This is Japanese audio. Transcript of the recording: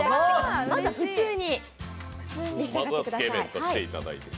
まずは普通に召し上がってください。